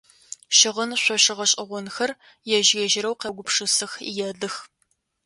Щыгъын шъошэ гъэшӏэгъонхэр ежь-ежьырэу къеугупшысых, едых.